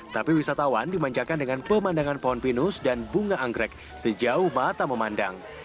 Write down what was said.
tapi wisatawan dimanjakan dengan pemandangan pohon pinus dan bunga anggrek sejauh mata memandang